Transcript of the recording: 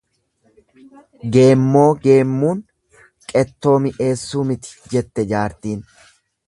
Geemmoo geemmuun qettoo mi'eessuu miti, jetti jaartiin.